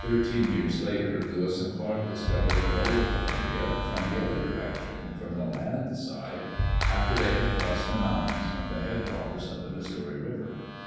teen years later, Lewis and Clark discovered the lower Columbia from the other direction, from the land side, after they had crossed the mountains from the head waters of the Missouri River.